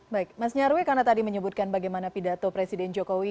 baik mas nyarwi karena tadi menyebutkan bagaimana pidato presiden jokowi